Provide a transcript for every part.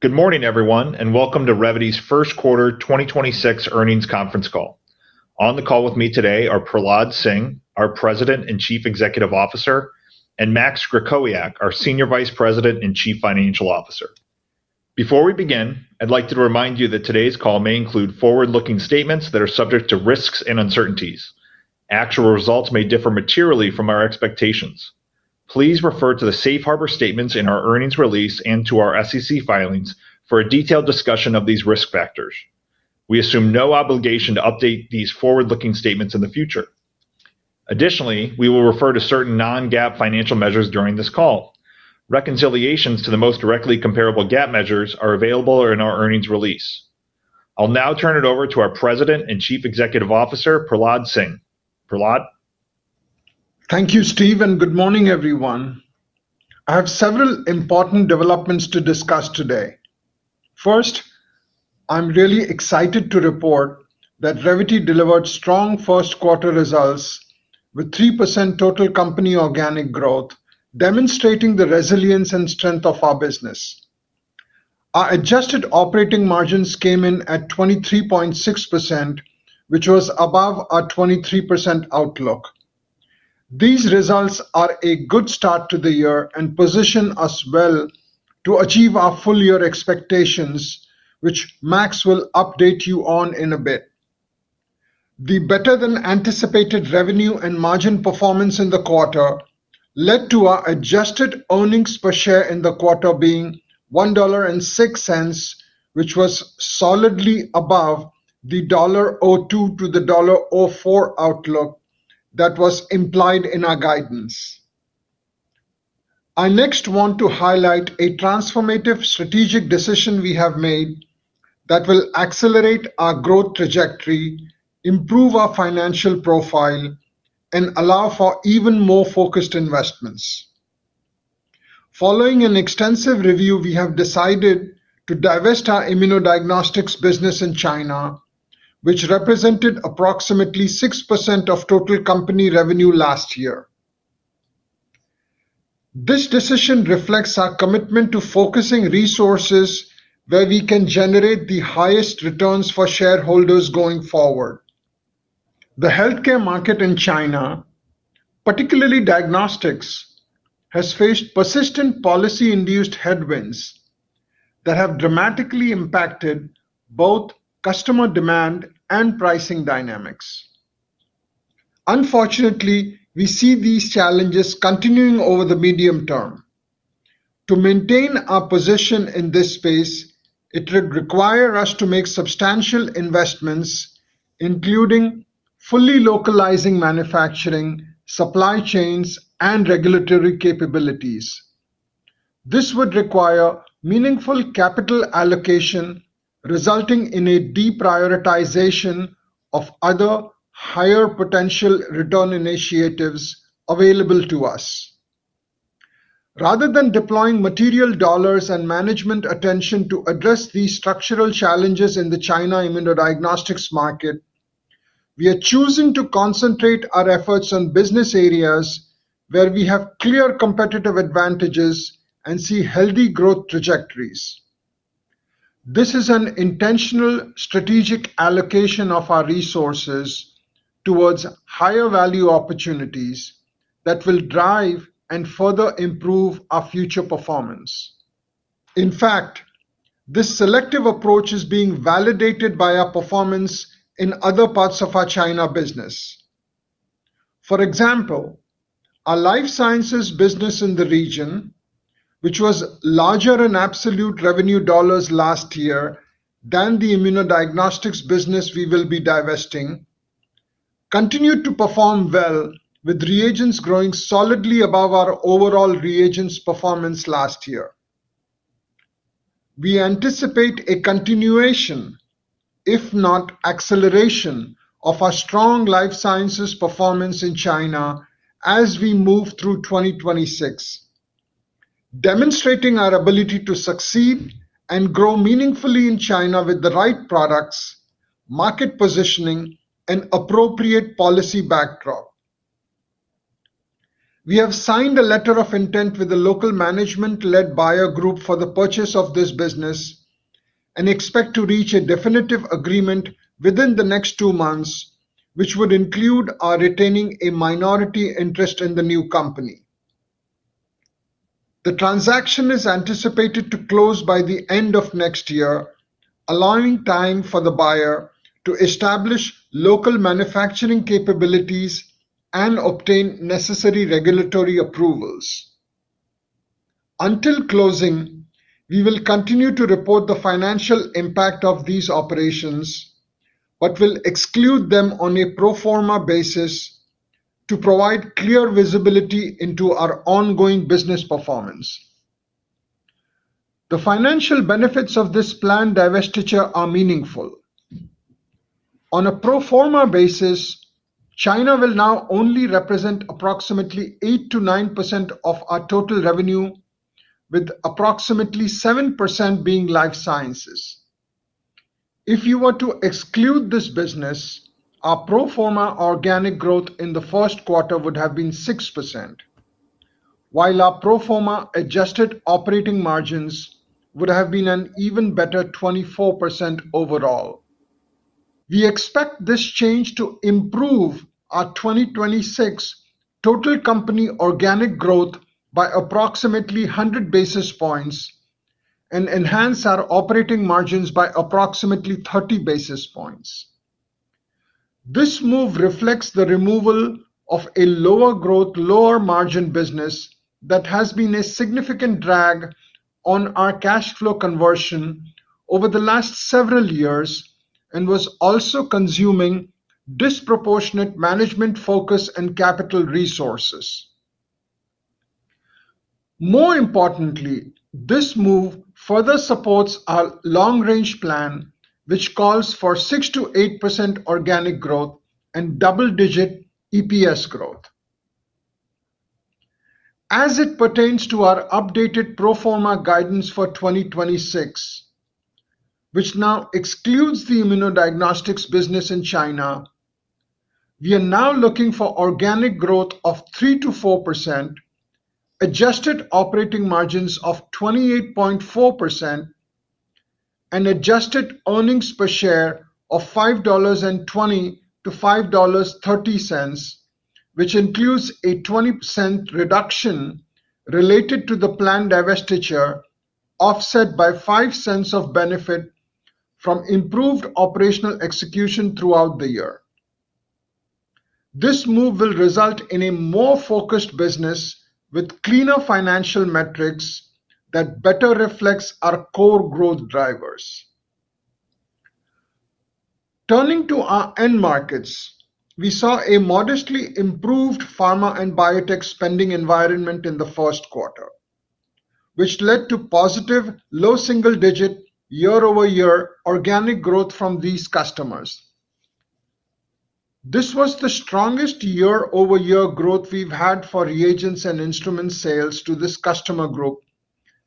Good morning, everyone, welcome to Revvity's first quarter 2026 earnings conference call. On the call with me today are Prahlad Singh, our President and Chief Executive Officer, and Max Krakowiak, our Senior Vice President and Chief Financial Officer. Before we begin, I'd like to remind you that today's call may include forward-looking statements that are subject to risks and uncertainties. Actual results may differ materially from our expectations. Please refer to the safe harbor statements in our earnings release and to our SEC filings for a detailed discussion of these risk factors. We assume no obligation to update these forward-looking statements in the future. Additionally, we will refer to certain non-GAAP financial measures during this call. Reconciliations to the most directly comparable GAAP measures are available in our earnings release. I'll now turn it over to our President and Chief Executive Officer, Prahlad Singh. Prahlad? Thank you, Steve, and good morning, everyone. I have several important developments to discuss today. First, I'm really excited to report that Revvity delivered strong first quarter results with 3% total company organic growth, demonstrating the resilience and strength of our business. Our adjusted operating margins came in at 23.6%, which was above our 23% outlook. These results are a good start to the year and position us well to achieve our full year expectations, which Max will update you on in a bit. The better than anticipated revenue and margin performance in the quarter led to our adjusted earnings per share in the quarter being $1.06, which was solidly above the $1.02-$1.04 outlook that was implied in our guidance. I next want to highlight a transformative strategic decision we have made that will accelerate our growth trajectory, improve our financial profile, and allow for even more focused investments. Following an extensive review, we have decided to divest our immunodiagnostics business in China, which represented approximately 6% of total company revenue last year. This decision reflects our commitment to focusing resources where we can generate the highest returns for shareholders going forward. The healthcare market in China, particularly diagnostics, has faced persistent policy-induced headwinds that have dramatically impacted both customer demand and pricing dynamics. Unfortunately, we see these challenges continuing over the medium term. To maintain our position in this space, it would require us to make substantial investments, including fully localizing manufacturing, supply chains, and regulatory capabilities. This would require meaningful capital allocation resulting in a deprioritization of other higher potential return initiatives available to us. Rather than deploying material dollars and management attention to address these structural challenges in the China immunodiagnostics market, we are choosing to concentrate our efforts on business areas where we have clear competitive advantages and see healthy growth trajectories. This is an intentional strategic allocation of our resources towards higher value opportunities that will drive and further improve our future performance. In fact, this selective approach is being validated by our performance in other parts of our China business. For example, our life sciences business in the region, which was larger in absolute revenue dollars last year than the immunodiagnostics business we will be divesting, continued to perform well with reagents growing solidly above our overall reagents performance last year. We anticipate a continuation, if not acceleration, of our strong life sciences performance in China as we move through 2026, demonstrating our ability to succeed and grow meaningfully in China with the right products, market positioning, and appropriate policy backdrop. We have signed a letter of intent with the local management-led buyer group for the purchase of this business and expect to reach a definitive agreement within the next two months, which would include our retaining a minority interest in the new company. The transaction is anticipated to close by the end of next year, allowing time for the buyer to establish local manufacturing capabilities and obtain necessary regulatory approvals. Until closing, we will continue to report the financial impact of these operations, but will exclude them on a pro forma basis to provide clear visibility into our ongoing business performance. The financial benefits of this planned divestiture are meaningful. On a pro forma basis, China will now only represent approximately 8%-9% of our total revenue, with approximately 7% being life sciences. If you were to exclude this business, our pro forma organic growth in the first quarter would have been 6%, while our pro forma adjusted operating margins would have been an even better 24% overall. We expect this change to improve our 2026 total company organic growth by approximately 100 basis points and enhance our operating margins by approximately 30 basis points. This move reflects the removal of a lower growth, lower margin business that has been a significant drag on our cash flow conversion over the last several years and was also consuming disproportionate management focus and capital resources. More importantly, this move further supports our long-range plan, which calls for 6%-8% organic growth and double-digit EPS growth. As it pertains to our updated pro forma guidance for 2026, which now excludes the immunodiagnostics business in China, we are now looking for organic growth of 3%-4%, adjusted operating margins of 28.4%, and adjusted earnings per share of $5.20-$5.30, which includes a 20% reduction related to the planned divestiture, offset by $0.05 of benefit from improved operational execution throughout the year. This move will result in a more focused business with cleaner financial metrics that better reflects our core growth drivers. Turning to our end markets, we saw a modestly improved pharma and biotech spending environment in the first quarter, which led to positive low double-digit year-over-year organic growth from these customers. This was the strongest year-over-year growth we've had for reagents and instrument sales to this customer group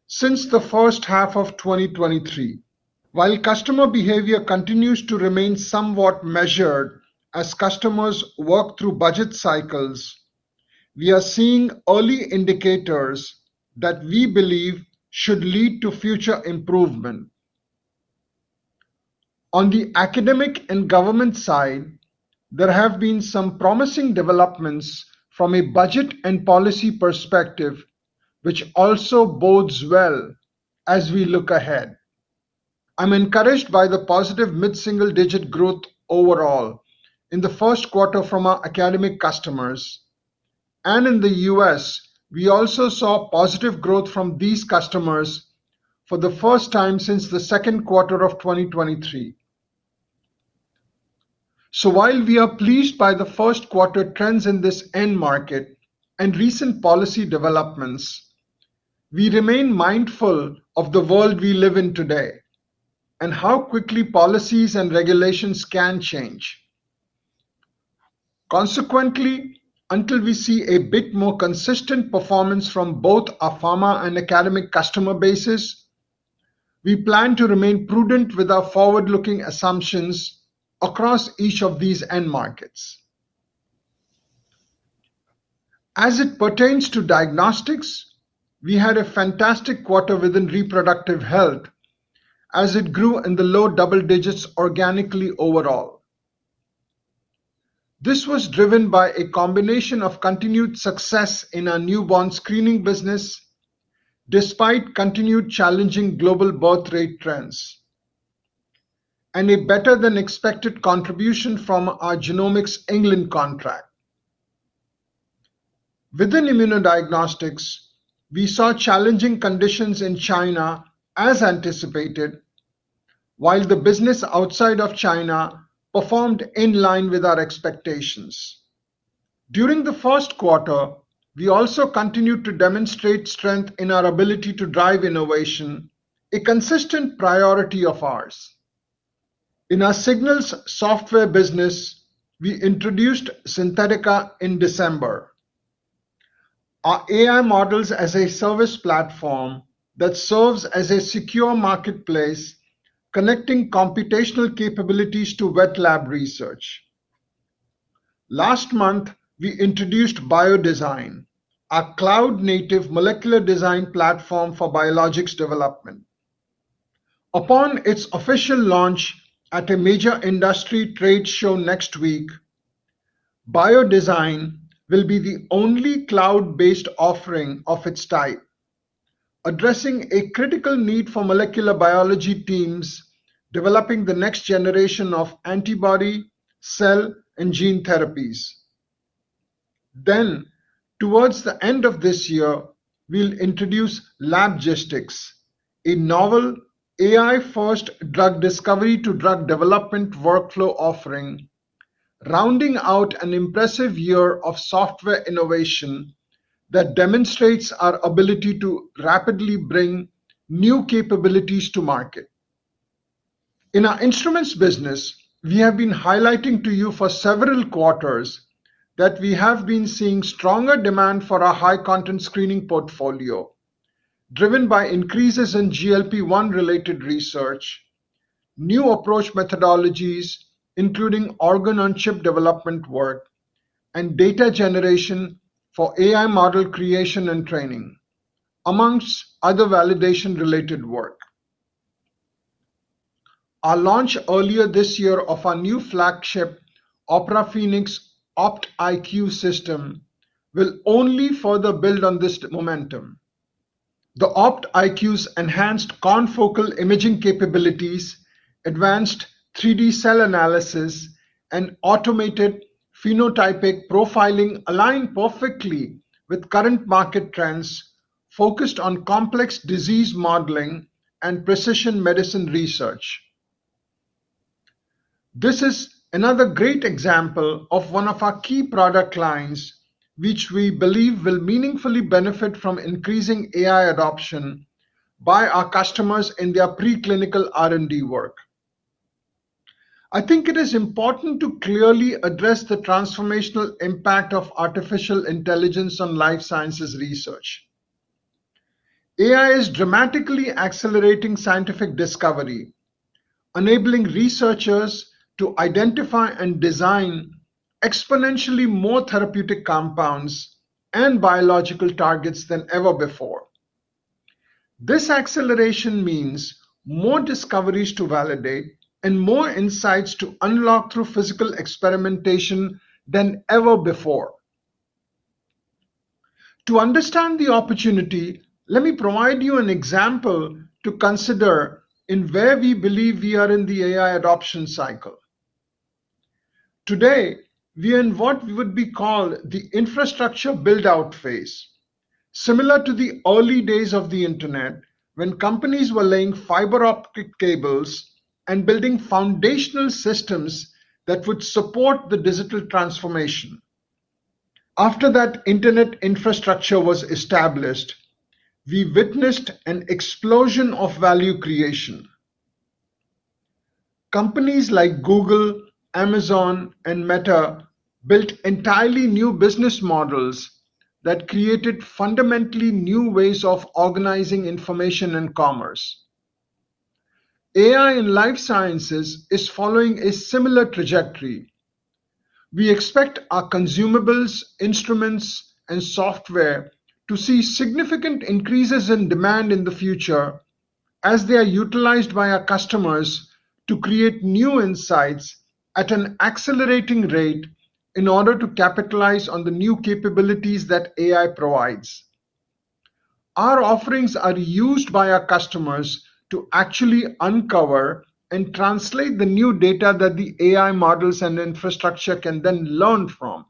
since the first half of 2023. While customer behavior continues to remain somewhat measured as customers work through budget cycles, we are seeing early indicators that we believe should lead to future improvement. On the academic and government side, there have been some promising developments from a budget and policy perspective, which also bodes well as we look ahead. I'm encouraged by the positive mid-single-digit growth overall in the first quarter from our academic customers. In the U.S., we also saw positive growth from these customers for the first time since the second quarter of 2023. While we are pleased by the first quarter trends in this end market and recent policy developments, we remain mindful of the world we live in today and how quickly policies and regulations can change. Consequently, until we see a bit more consistent performance from both our pharma and academic customer bases, we plan to remain prudent with our forward-looking assumptions across each of these end markets. As it pertains to diagnostics, we had a fantastic quarter within reproductive health as it grew in the low double digits organically overall. This was driven by a combination of continued success in our newborn screening business despite continued challenging global birth rate trends and a better than expected contribution from our Genomics England contract. Within immunodiagnostics, we saw challenging conditions in China as anticipated, while the business outside of China performed in line with our expectations. During the first quarter, we also continued to demonstrate strength in our ability to drive innovation, a consistent priority of ours. In our Signals software business, we introduced Xynthetica in December, our AI models as a service platform that serves as a secure marketplace connecting computational capabilities to wet lab research. Last month, we introduced BioDesign, our cloud-native molecular design platform for biologics development. Upon its official launch at a major industry trade show next week, BioDesign will be the only cloud-based offering of its type, addressing a critical need for molecular biology teams developing the next generation of antibody, cell, and gene therapies. Towards the end of this year, we'll introduce LabGistics, a novel AI-first drug discovery to drug development workflow offering, rounding out an impressive year of software innovation that demonstrates our ability to rapidly bring new capabilities to market. In our instruments business, we have been highlighting to you for several quarters that we have been seeing stronger demand for our high content screening portfolio. Driven by increases in GLP-1-related research, New Approach Methodologies including organ-on-chip development work, and data generation for AI model creation and training, amongst other validation-related work. Our launch earlier this year of our new flagship Opera Phenix OptIQ system will only further build on this momentum. The OptIQ's enhanced confocal imaging capabilities, advanced 3D cell analysis, and automated phenotypic profiling align perfectly with current market trends focused on complex disease modeling and precision medicine research. This is another great example of one of our key product lines which we believe will meaningfully benefit from increasing AI adoption by our customers in their preclinical R&D work. I think it is important to clearly address the transformational impact of artificial intelligence on life sciences research. AI is dramatically accelerating scientific discovery, enabling researchers to identify and design exponentially more therapeutic compounds and biological targets than ever before. This acceleration means more discoveries to validate and more insights to unlock through physical experimentation than ever before. To understand the opportunity, let me provide you an example to consider in where we believe we are in the AI adoption cycle. Today, we are in what would be called the infrastructure build-out phase, similar to the early days of the internet when companies were laying fiber optic cables and building foundational systems that would support the digital transformation. After that internet infrastructure was established, we witnessed an explosion of value creation. Companies like Google, Amazon, and Meta built entirely new business models that created fundamentally new ways of organizing information and commerce. AI in life sciences is following a similar trajectory. We expect our consumables, instruments, and software to see significant increases in demand in the future as they are utilized by our customers to create new insights at an accelerating rate in order to capitalize on the new capabilities that AI provides. Our offerings are used by our customers to actually uncover and translate the new data that the AI models and infrastructure can then learn from.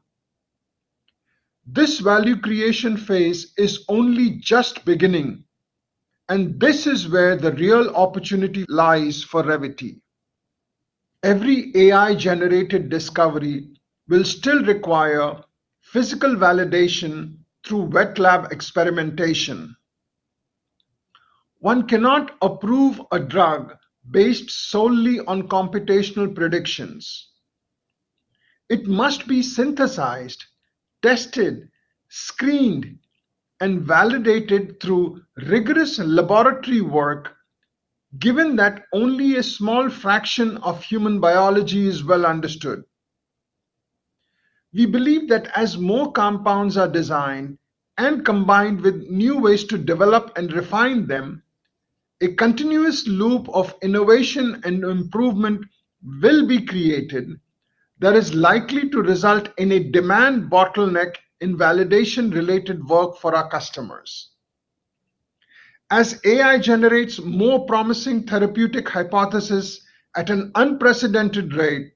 This value creation phase is only just beginning, and this is where the real opportunity lies for Revvity. Every AI-generated discovery will still require physical validation through wet lab experimentation. One cannot approve a drug based solely on computational predictions. It must be synthesized, tested, screened, and validated through rigorous laboratory work, given that only a small fraction of human biology is well understood. We believe that as more compounds are designed and combined with new ways to develop and refine them, a continuous loop of innovation and improvement will be created that is likely to result in a demand bottleneck in validation-related work for our customers. As AI generates more promising therapeutic hypotheses at an unprecedented rate,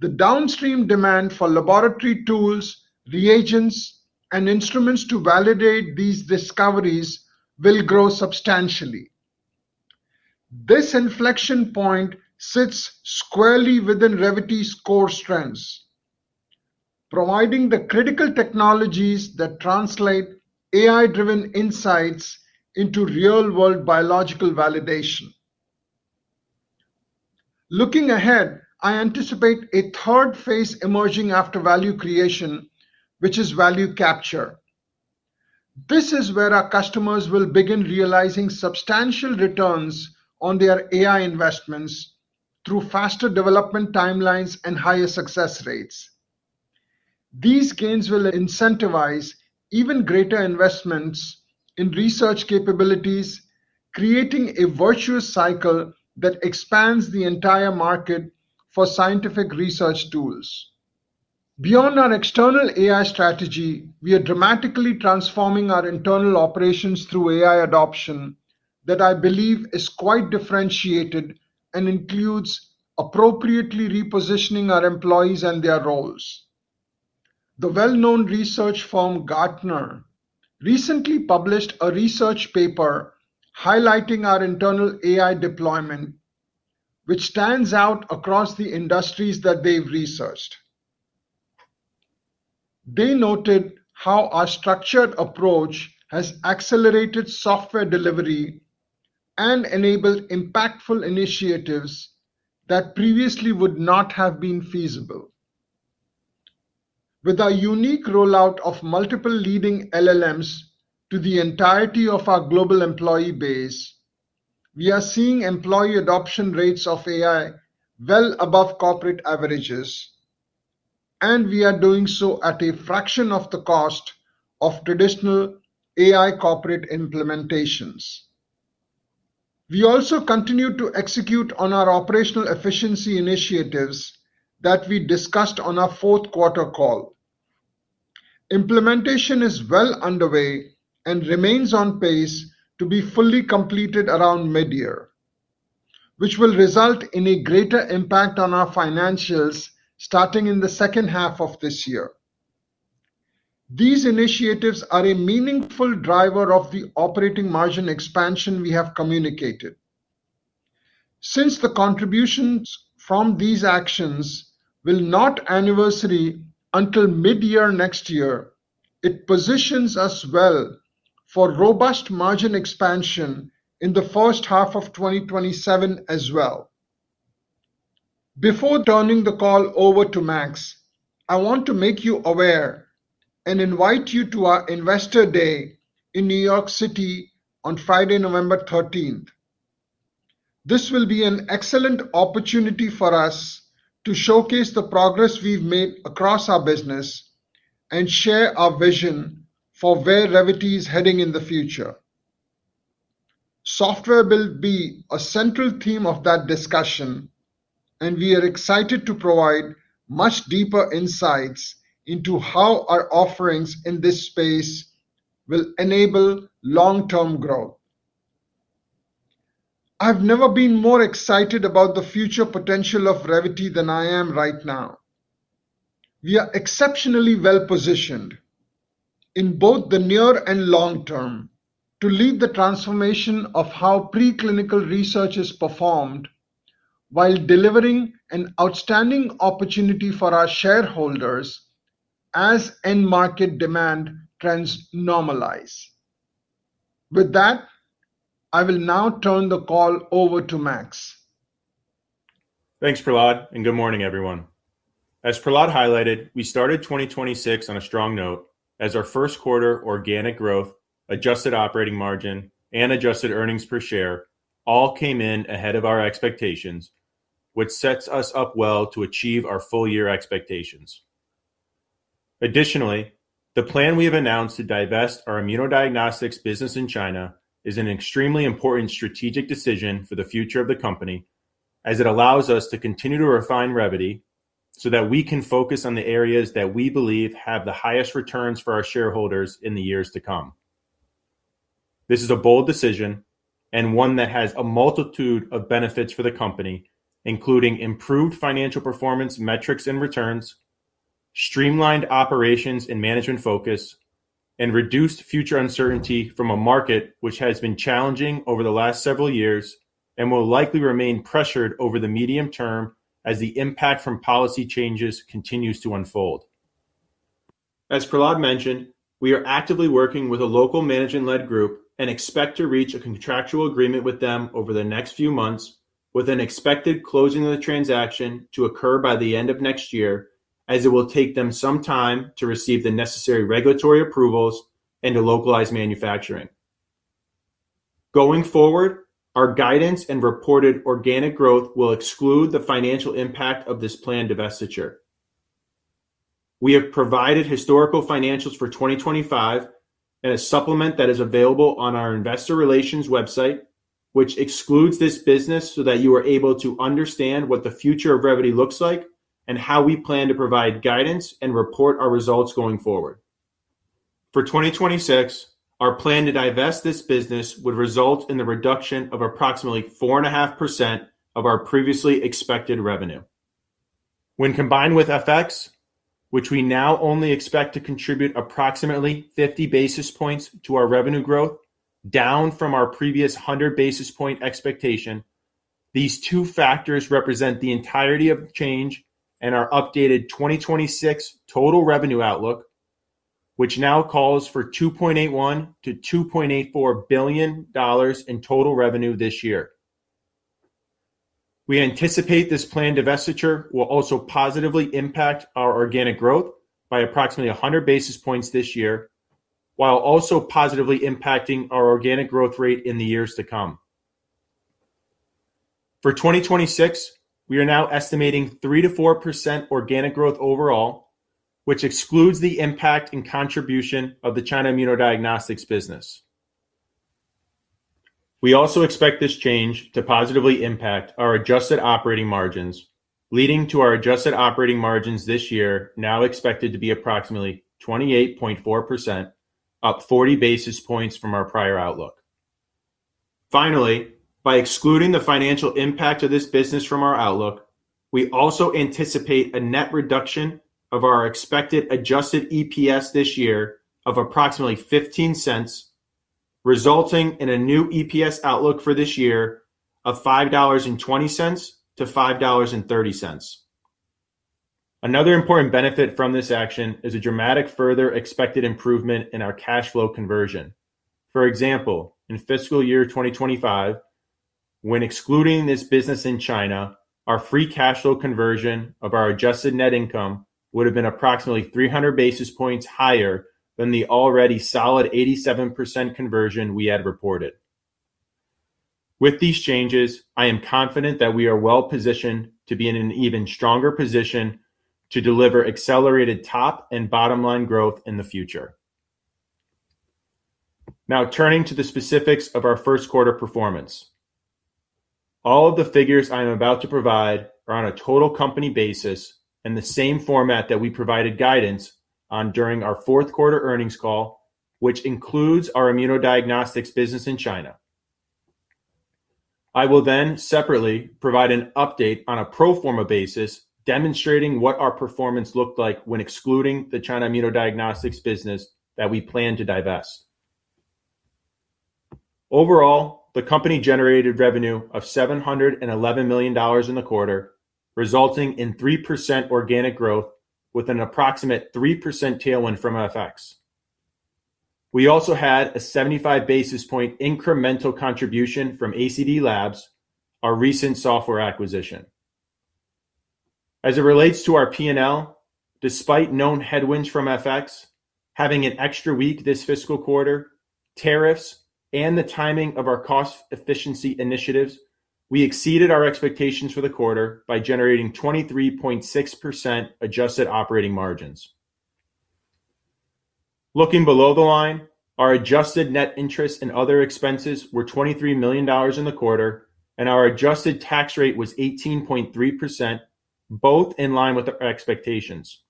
the downstream demand for laboratory tools, reagents, and instruments to validate these discoveries will grow substantially. This inflection point sits squarely within Revvity's core strengths, providing the critical technologies that translate AI-driven insights into real-world biological validation. Looking ahead, I anticipate a third phase emerging after value creation, which is value capture. This is where our customers will begin realizing substantial returns on their AI investments through faster development timelines and higher success rates. These gains will incentivize even greater investments in research capabilities, creating a virtuous cycle that expands the entire market for scientific research tools. Beyond our external AI strategy, we are dramatically transforming our internal operations through AI adoption that I believe is quite differentiated and includes appropriately repositioning our employees and their roles. The well-known research firm Gartner recently published a research paper highlighting our internal AI deployment, which stands out across the industries that they've researched. They noted how our structured approach has accelerated software delivery and enabled impactful initiatives that previously would not have been feasible. With our unique rollout of multiple leading LLMs to the entirety of our global employee base, we are seeing employee adoption rates of AI well above corporate averages, and we are doing so at a fraction of the cost of traditional AI corporate implementations. We also continue to execute on our operational efficiency initiatives that we discussed on our fourth quarter call. Implementation is well underway and remains on pace to be fully completed around mid-year, which will result in a greater impact on our financials starting in the second half of this year. These initiatives are a meaningful driver of the operating margin expansion we have communicated. Since the contributions from these actions will not anniversary until mid-year next year, it positions us well for robust margin expansion in the first half of 2027 as well. Before turning the call over to Max, I want to make you aware and invite you to our Investor Day in New York City on Friday, November 13th. This will be an excellent opportunity for us to showcase the progress we've made across our business and share our vision for where Revvity is heading in the future. Software will be a central theme of that discussion, and we are excited to provide much deeper insights into how our offerings in this space will enable long-term growth. I've never been more excited about the future potential of Revvity than I am right now. We are exceptionally well-positioned in both the near and long term to lead the transformation of how preclinical research is performed while delivering an outstanding opportunity for our shareholders as end market demand trends normalize. With that, I will now turn the call over to Max. Thanks, Prahlad, and good morning, everyone. As Prahlad highlighted, we started 2026 on a strong note as our first quarter organic growth, adjusted operating margin, and adjusted earnings per share all came in ahead of our expectations, which sets us up well to achieve our full year expectations. Additionally, the plan we have announced to divest our immunodiagnostics business in China is an extremely important strategic decision for the future of the company, as it allows us to continue to refine Revvity so that we can focus on the areas that we believe have the highest returns for our shareholders in the years to come. This is a bold decision and one that has a multitude of benefits for the company, including improved financial performance metrics and returns, streamlined operations and management focus, and reduced future uncertainty from a market which has been challenging over the last several years and will likely remain pressured over the medium term as the impact from policy changes continues to unfold. As Prahlad mentioned, we are actively working with a local management-led group and expect to reach a contractual agreement with them over the next few months, with an expected closing of the transaction to occur by the end of next year, as it will take them some time to receive the necessary regulatory approvals and to localize manufacturing. Going forward, our guidance and reported organic growth will exclude the financial impact of this planned divestiture. We have provided historical financials for 2025 in a supplement that is available on our investor relations website, which excludes this business so that you are able to understand what the future of Revvity looks like and how we plan to provide guidance and report our results going forward. For 2026, our plan to divest this business would result in the reduction of approximately 4.5% of our previously expected revenue. When combined with FX, which we now only expect to contribute approximately 50 basis points to our revenue growth, down from our previous 100 basis point expectation, these two factors represent the entirety of change in our updated 2026 total revenue outlook, which now calls for $2.81 billion-$2.84 billion in total revenue this year. We anticipate this planned divestiture will also positively impact our organic growth by approximately 100 basis points this year, while also positively impacting our organic growth rate in the years to come. For 2026, we are now estimating 3%-4% organic growth overall, which excludes the impact and contribution of the China immunodiagnostics business. We also expect this change to positively impact our adjusted operating margins, leading to our adjusted operating margins this year now expected to be approximately 28.4%, up 40 basis points from our prior outlook. Finally, by excluding the financial impact of this business from our outlook, we also anticipate a net reduction of our expected adjusted EPS this year of approximately $0.15, resulting in a new EPS outlook for this year of $5.20-$5.30. Another important benefit from this action is a dramatic further expected improvement in our cash flow conversion. For example, in fiscal year 2025. When excluding this business in China, our free cash flow conversion of our adjusted net income would have been approximately 300 basis points higher than the already solid 87% conversion we had reported. With these changes, I am confident that we are well-positioned to be in an even stronger position to deliver accelerated top and bottom line growth in the future. Turning to the specifics of our first quarter performance. All of the figures I am about to provide are on a total company basis in the same format that we provided guidance on during our fourth quarter earnings call, which includes our immunodiagnostics business in China. I will separately provide an update on a pro forma basis demonstrating what our performance looked like when excluding the China immunodiagnostics business that we plan to divest. The company generated revenue of $711 million in the quarter, resulting in 3% organic growth with an approximate 3% tailwind from FX. We also had a 75 basis point incremental contribution from ACD/Labs, our recent software acquisition. As it relates to our P&L, despite known headwinds from FX, having an extra week this fiscal quarter, tariffs, and the timing of our cost efficiency initiatives, we exceeded our expectations for the quarter by generating 23.6% adjusted operating margins. Looking below the line, our adjusted net interest and other expenses were $23 million in the quarter, and our adjusted tax rate was 18.3%, both in line with our expectations.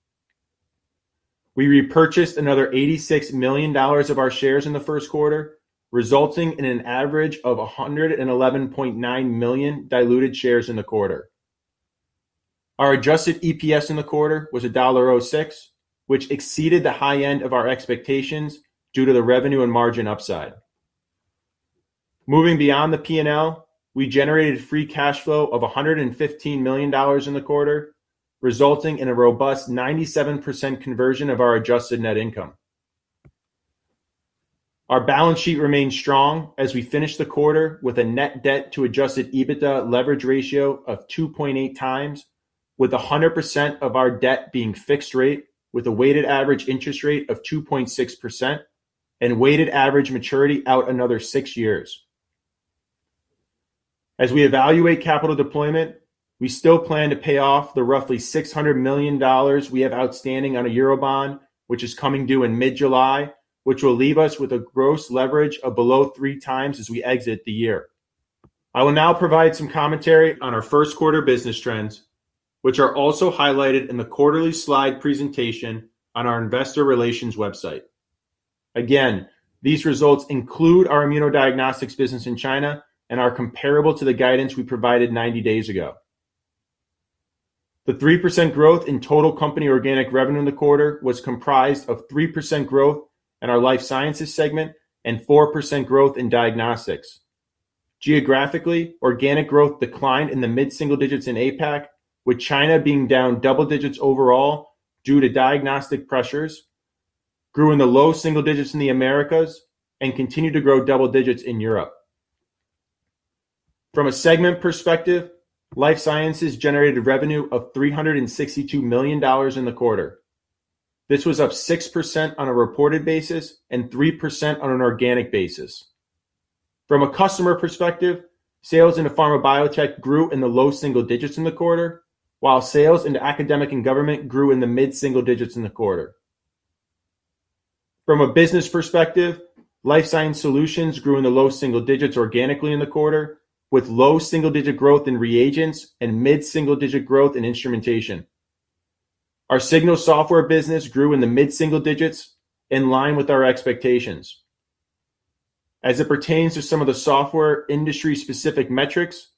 We repurchased another $86 million of our shares in the first quarter, resulting in an average of 111.9 million diluted shares in the quarter. Our adjusted EPS in the quarter was $1.06, which exceeded the high end of our expectations due to the revenue and margin upside. Moving beyond the P&L, we generated free cash flow of $115 million in the quarter, resulting in a robust 97% conversion of our adjusted net income. Our balance sheet remained strong as we finished the quarter with a net debt to adjusted EBITDA leverage ratio of 2.8x, with 100% of our debt being fixed rate, with a weighted average interest rate of 2.6% and weighted average maturity out another six years. As we evaluate capital deployment, we still plan to pay off the roughly $600 million we have outstanding on a Eurobond, which is coming due in mid-July, which will leave us with a gross leverage of below 3x as we exit the year. I will now provide some commentary on our first quarter business trends, which are also highlighted in the quarterly slide presentation on our investor relations website. Again, these results include our immunodiagnostics business in China and are comparable to the guidance we provided 90 days ago. The 3% growth in total company organic revenue in the quarter was comprised of 3% growth in our life sciences segment and 4% growth in diagnostics. Geographically, organic growth declined in the mid-single digits in APAC, with China being down double digits overall due to diagnostic pressures, grew in the low single digits in the Americas, and continued to grow double digits in Europe. From a segment perspective, life sciences generated revenue of $362 million in the quarter. This was up 6% on a reported basis and 3% on an organic basis. From a customer perspective, sales in the pharma biotech grew in the low single digits in the quarter, while sales in the academic and government grew in the mid-single digits in the quarter. From a business perspective, life science solutions grew in the low single digits organically in the quarter, with low single-digit growth in reagents and mid-single-digit growth in instrumentation. Our Signals software business grew in the mid-single digits in line with our expectations. As it pertains to some of the software industry-specific metrics,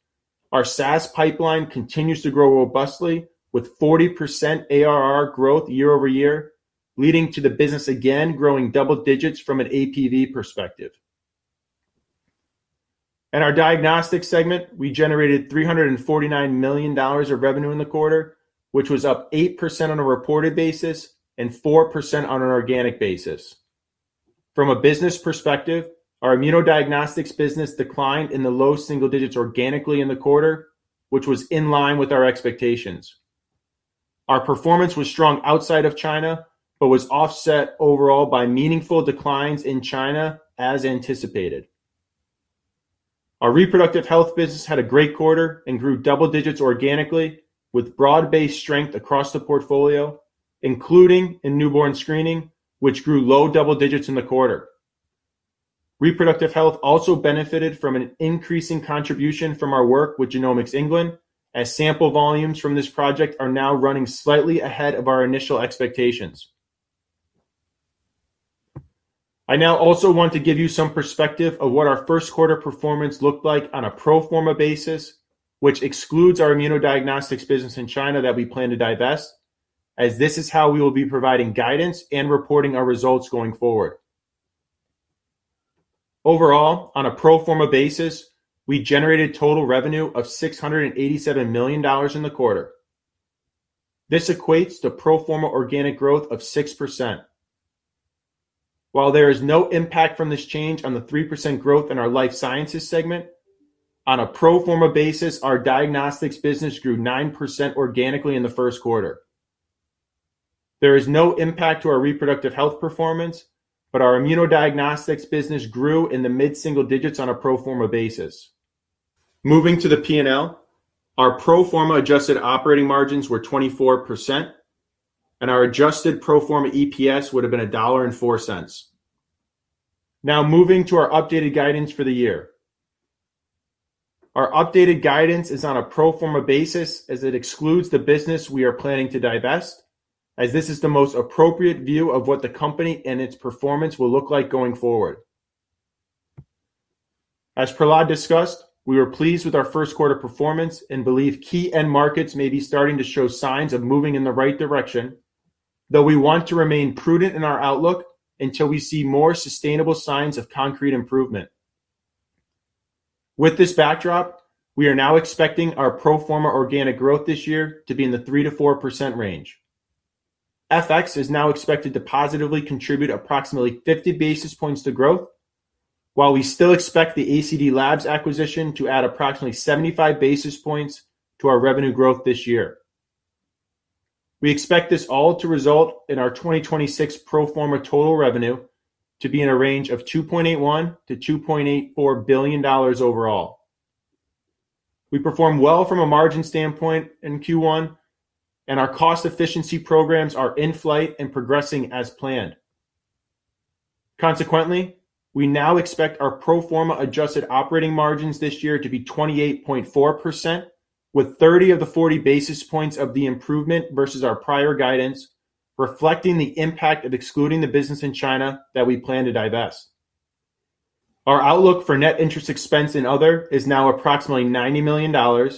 our SaaS pipeline continues to grow robustly, with 40% ARR growth year-over-year, leading to the business again growing double digits from an APV perspective. In our diagnostics segment, we generated $349 million of revenue in the quarter, which was up 8% on a reported basis and 4% on an organic basis. From a business perspective, our immunodiagnostics business declined in the low single digits organically in the quarter, which was in line with our expectations. Our performance was strong outside of China, but was offset overall by meaningful declines in China as anticipated. Our reproductive health business had a great quarter and grew double digits organically with broad-based strength across the portfolio, including in newborn screening, which grew low double digits in the quarter. Reproductive health also benefited from an increasing contribution from our work with Genomics England, as sample volumes from this project are now running slightly ahead of our initial expectations. I now also want to give you some perspective of what our first quarter performance looked like on a pro forma basis, which excludes our immunodiagnostics business in China that we plan to divest, as this is how we will be providing guidance and reporting our results going forward. Overall, on a pro forma basis, we generated total revenue of $687 million in the quarter. This equates to pro forma organic growth of 6%. While there is no impact from this change on the 3% growth in our life sciences segment, on a pro forma basis, our diagnostics business grew 9% organically in the first quarter. There is no impact to our reproductive health performance, but our immunodiagnostics business grew in the mid-single digits on a pro forma basis. Moving to the P&L, our pro forma adjusted operating margins were 24%, and our adjusted pro forma EPS would have been $1.04. Now moving to our updated guidance for the year. Our updated guidance is on a pro forma basis as it excludes the business we are planning to divest, as this is the most appropriate view of what the company and its performance will look like going forward. As Prahlad discussed, we are pleased with our first quarter performance and believe key end markets may be starting to show signs of moving in the right direction, though we want to remain prudent in our outlook until we see more sustainable signs of concrete improvement. With this backdrop, we are now expecting our pro forma organic growth this year to be in the 3%-4% range. FX is now expected to positively contribute approximately 50 basis points to growth, while we still expect the ACD/Labs acquisition to add approximately 75 basis points to our revenue growth this year. We expect this all to result in our 2026 pro forma total revenue to be in a range of $2.81 billion-$2.84 billion overall. We performed well from a margin standpoint in Q1, and our cost efficiency programs are in flight and progressing as planned. Consequently, we now expect our pro forma adjusted operating margins this year to be 28.4% with 30 of the 40 basis points of the improvement versus our prior guidance reflecting the impact of excluding the business in China that we plan to divest. Our outlook for net interest expense and other is now approximately $90 million,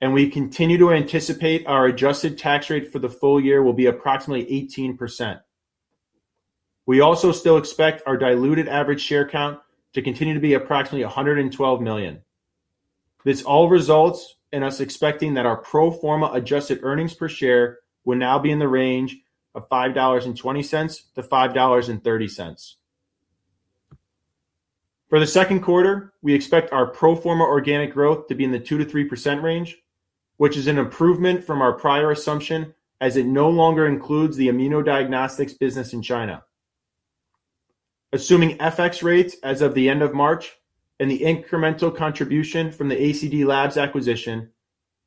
and we continue to anticipate our adjusted tax rate for the full year will be approximately 18%. We also still expect our diluted average share count to continue to be approximately 112 million. This all results in us expecting that our pro forma adjusted earnings per share will now be in the range of $5.20-$5.30. For the second quarter, we expect our pro forma organic growth to be in the 2%-3% range, which is an improvement from our prior assumption as it no longer includes the immunodiagnostics business in China. Assuming FX rates as of the end of March and the incremental contribution from the ACD/Labs acquisition,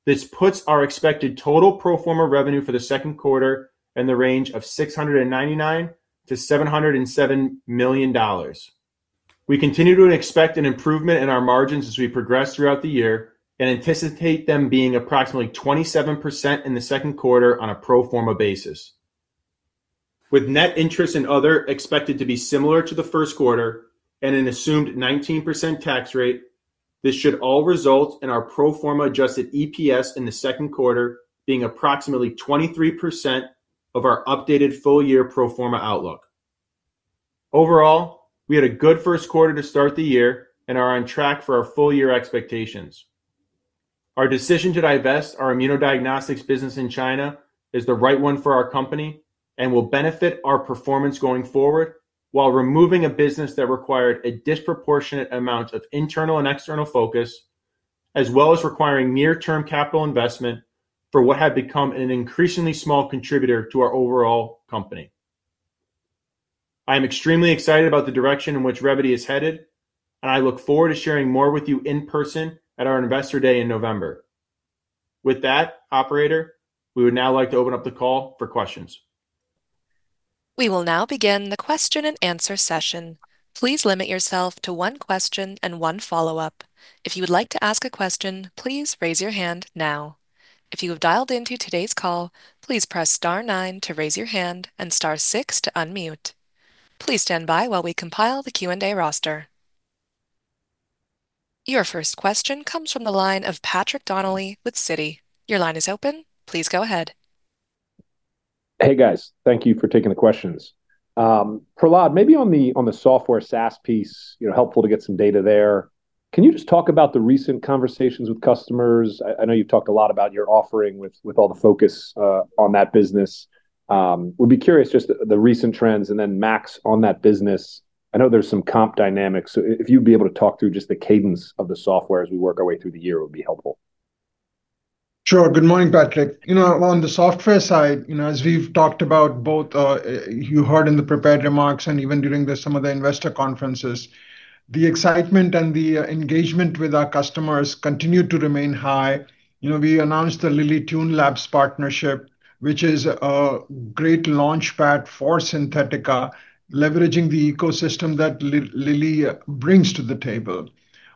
this puts our expected total pro forma revenue for the second quarter in the range of $699 million-$707 million. We continue to expect an improvement in our margins as we progress throughout the year and anticipate them being approximately 27% in the second quarter on a pro forma basis. With net interest and other expected to be similar to the first quarter and an assumed 19% tax rate, this should all result in our pro forma adjusted EPS in the second quarter being approximately 23% of our updated full year pro forma outlook. Overall, we had a good first quarter to start the year and are on track for our full year expectations. Our decision to divest our immunodiagnostics business in China is the right one for our company and will benefit our performance going forward while removing a business that required a disproportionate amount of internal and external focus as well as requiring near-term capital investment for what had become an increasingly small contributor to our overall company. I am extremely excited about the direction in which Revvity is headed, and I look forward to sharing more with you in person at our Investor Day in November. With that, operator, we would now like to open up the call for questions. We will now begin the question-and-answer session. Please limit yourself to one question and one follow-up. If you would like to ask a question, please raise your hand now. If you have dialed into today's call, please press star nine to raise your hand and star six to unmute. Please stand by while we compile the Q&A roster. Your first question comes from the line of Patrick Donnelly with Citi. Your line is open. Please go ahead. Hey, guys. Thank you for taking the questions. Prahlad, maybe on the software SaaS piece, you know, helpful to get some data there. Can you just talk about the recent conversations with customers? I know you've talked a lot about your offering with all the focus on that business. Would be curious just the recent trends and then Max on that business. I know there's some comp dynamics. If you'd be able to talk through just the cadence of the software as we work our way through the year would be helpful. Sure. Good morning, Patrick. You know, on the software side, you know, as we've talked about both, you heard in the prepared remarks and even during some of the investor conferences, the excitement and the engagement with our customers continue to remain high. You know, we announced the Lilly TuneLab partnership, which is a great launchpad for Xynthetica, leveraging the ecosystem that Lilly brings to the table.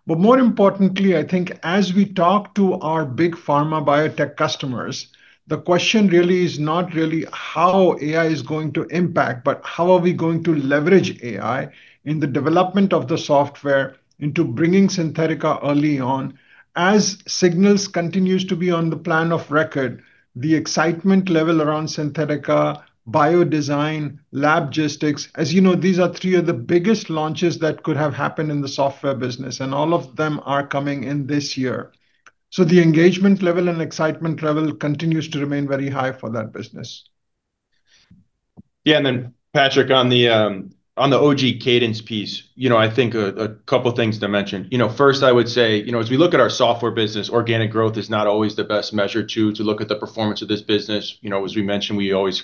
More importantly, I think as we talk to our big pharma biotech customers, the question is not really how AI is going to impact, but how are we going to leverage AI in the development of the software into bringing Xynthetica early on. As Signals continues to be on the plan of record, the excitement level around Xynthetica, BioDesign, LabGistics, as you know, these are three of the biggest launches that could have happened in the software business, and all of them are coming in this year. The engagement level and excitement level continues to remain very high for that business. Then Patrick, on the OG cadence piece, you know, I think a couple of things to mention. You know, first, I would say, you know, as we look at our software business, organic growth is not always the best measure to look at the performance of this business. You know, as we mentioned, we always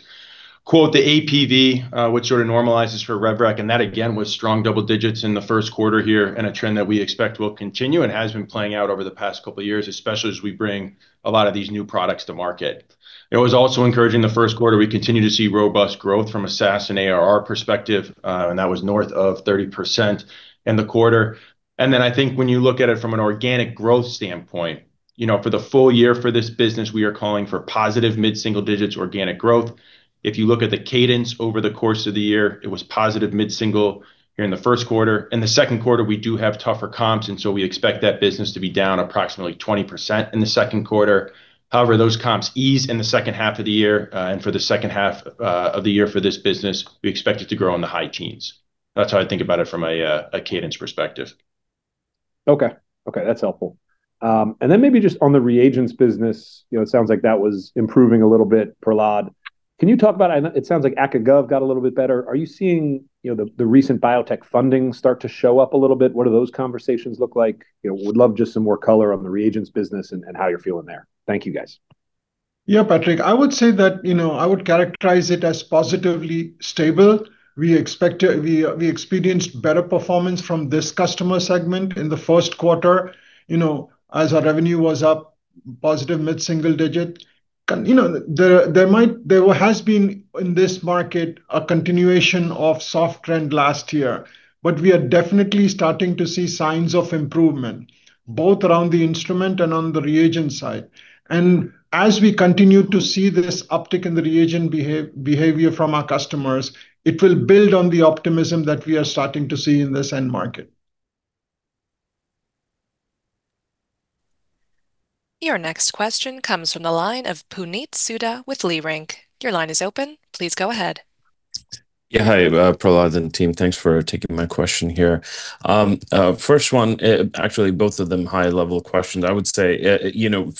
quote the APV, which sort of normalizes for rev rec, and that again was strong double digits in the first quarter here and a trend that we expect will continue and has been playing out over the past couple of years, especially as we bring a lot of these new products to market. It was also encouraging the first quarter, we continue to see robust growth from a SaaS and ARR perspective, and that was north of 30% in the quarter. I think when you look at it from an organic growth standpoint, you know, for the full year for this business, we are calling for positive mid-single digits organic growth. If you look at the cadence over the course of the year, it was positive mid-single here in the first quarter. In the second quarter, we do have tougher comps, we expect that business to be down approximately 20% in the second quarter. However, those comps ease in the second half of the year, and for the second half of the year for this business, we expect it to grow in the high teens. That's how I think about it from a cadence perspective. Okay. Okay, that's helpful. Maybe just on the reagents business, you know, it sounds like that was improving a little bit, Prahlad. It sounds like ACA Gov got a little bit better. Are you seeing, you know, the recent biotech funding start to show up a little bit? What do those conversations look like? You know, would love just some more color on the reagents business and how you're feeling there. Thank you, guys. Yeah, Patrick, I would say that, you know, I would characterize it as positively stable. We experienced better performance from this customer segment in the first quarter, you know, as our revenue was up positive mid-single-digit. You know, there has been, in this market, a continuation of soft trend last year. We are definitely starting to see signs of improvement, both around the instrument and on the reagent side. As we continue to see this uptick in the reagent behavior from our customers, it will build on the optimism that we are starting to see in this end market. Your next question comes from the line of Puneet Souda with Leerink. Your line is open. Please go ahead. Yeah. Hi, Prahlad and team. Thanks for taking my question here. First one, actually both of them high-level questions. I would say, you know,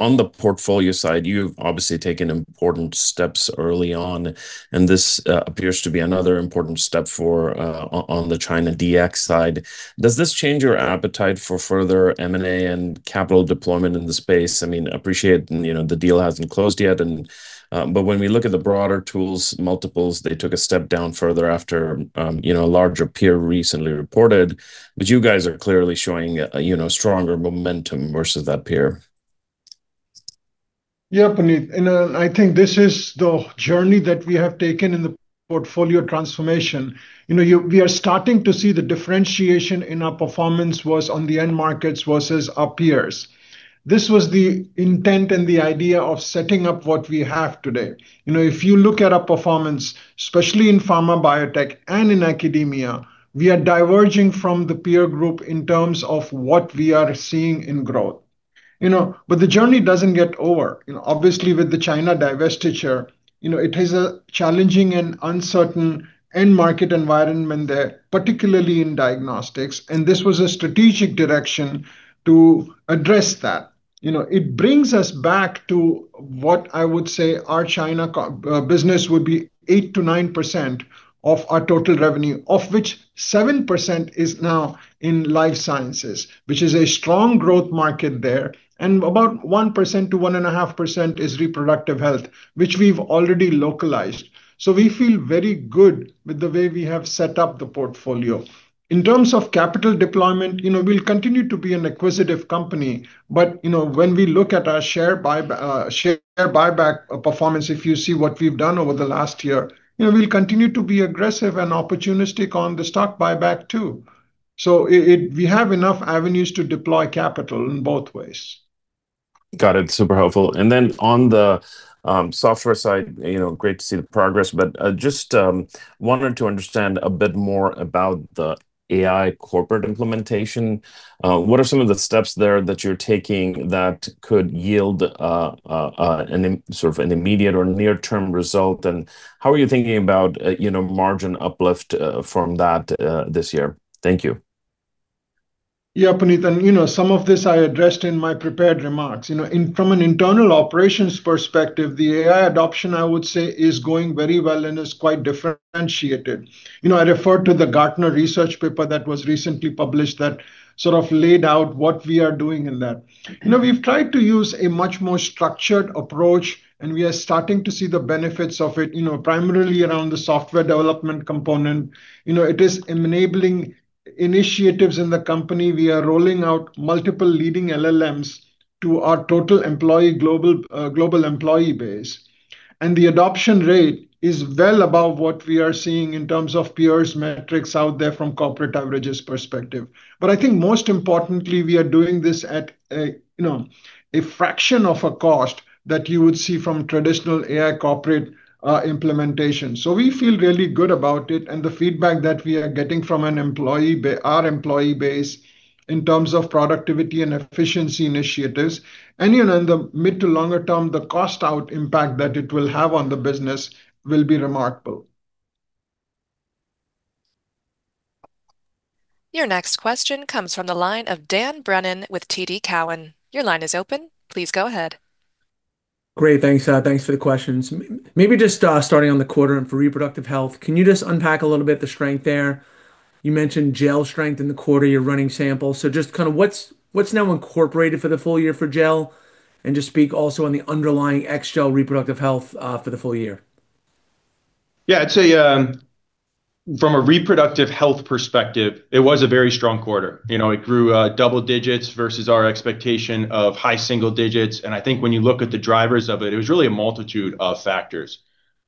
on the portfolio side, you've obviously taken important steps early on, and this appears to be another important step for the China DX side. Does this change your appetite for further M&A and capital deployment in the space? I mean, appreciate, you know, the deal hasn't closed yet and, when we look at the broader tools, multiples, they took a step down further after, you know, a larger peer recently reported. You guys are clearly showing a, you know, stronger momentum versus that peer. Yeah, Puneet. You know, I think this is the journey that we have taken in the portfolio transformation. You know, we are starting to see the differentiation in our performance was on the end markets versus our peers. This was the intent and the idea of setting up what we have today. You know, if you look at our performance, especially in pharma biotech, and in academia, we are diverging from the peer group in terms of what we are seeing in growth. You know, the journey doesn't get over. You know, obviously with the China divestiture, you know, it is a challenging and uncertain end market environment there, particularly in diagnostics. This was a strategic direction to address that. You know, it brings us back to what I would say our China business would be 8%-9% of our total revenue, of which 7% is now in life sciences, which is a strong growth market there. About 1%-1.5% is reproductive health, which we've already localized. We feel very good with the way we have set up the portfolio. In terms of capital deployment, you know, we'll continue to be an acquisitive company. You know, when we look at our share buyback performance, if you see what we've done over the last year, you know, we'll continue to be aggressive and opportunistic on the stock buyback too. We have enough avenues to deploy capital in both ways. Got it. Super helpful. On the software side, you know, great to see the progress, but just wanted to understand a bit more about the AI corporate implementation. What are some of the steps there that you're taking that could yield sort of an immediate or near-term result, and how are you thinking about, you know, margin uplift from that this year? Thank you. Yeah, Puneet, and, you know, some of this I addressed in my prepared remarks. You know, from an internal operations perspective, the AI adoption, I would say, is going very well and is quite differentiated. You know, I referred to the Gartner research paper that was recently published that sort of laid out what we are doing in that. You know, we've tried to use a much more structured approach, and we are starting to see the benefits of it, you know, primarily around the software development component. You know, it is enabling initiatives in the company. We are rolling out multiple leading LLMs to our total employee global employee base. The adoption rate is well above what we are seeing in terms of peers metrics out there from corporate averages perspective. I think most importantly, we are doing this at a, you know, a fraction of a cost that you would see from traditional AI corporate implementation. We feel really good about it and the feedback that we are getting from our employee base in terms of productivity and efficiency initiatives. You know, in the mid to longer term, the cost out impact that it will have on the business will be remarkable. Your next question comes from the line of Dan Brennan with TD Cowen. Your line is open. Please go ahead. Great. Thanks, thanks for the questions. Maybe just starting on the quarter and for reproductive health, can you just unpack a little bit the strength there? You mentioned GEL strength in the quarter, your running sample. Just kinda what's now incorporated for the full year for GEL? Just speak also on the underlying ex-GEL reproductive health for the full year. Yeah. I'd say, from a reproductive health perspective, it was a very strong quarter. You know, it grew, double digits versus our expectation of high single digits. I think when you look at the drivers of it was really a multitude of factors.